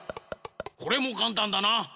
これもかんたんだな！